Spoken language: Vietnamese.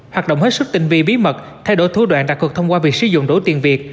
hoạt động hết sức tình vi bí mật thay đổi thua đoạn đặc hợp thông qua việc sử dụng đổ tiền việt